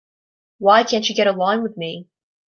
Why can't she get along with me?